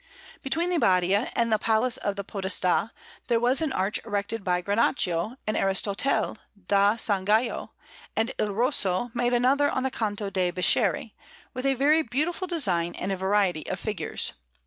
Between the Badia and the Palace of the Podestà there was an arch erected by Granaccio and Aristotele da San Gallo, and Il Rosso made another on the Canto de' Bischeri with a very beautiful design and a variety of figures.